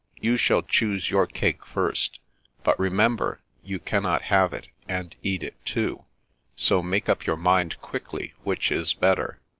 Ycm shall choose your cake first; but remember, you cannot have it, and eat it, too ; so make up your mind quickly which is better."